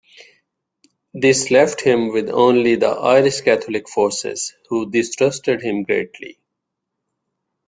This left him with only the Irish Catholic forces, who distrusted him greatly.